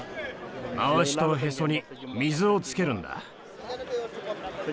まわしとへそに水をつけるんだ。